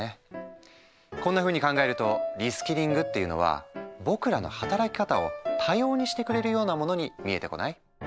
こんなふうに考えるとリスキリングっていうのは僕らの働き方を多様にしてくれるようなものに見えてこない？